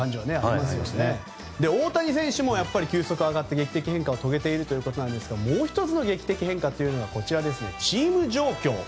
大谷選手もやっぱり急速が上がって劇的変化を遂げているということですがもう１つの劇的変化がチーム状況。